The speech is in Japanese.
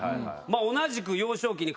同じく幼少期に。